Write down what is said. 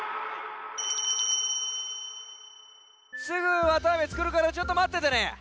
すぐわたあめつくるからちょっとまっててね。